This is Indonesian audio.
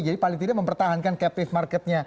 jadi paling tidak mempertahankan captive marketnya